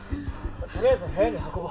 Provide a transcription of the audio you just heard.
とりあえず部屋に運ぼう。